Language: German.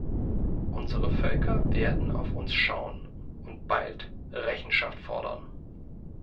Unsere Völker werden auf uns schauen und bald Rechenschaft fordern.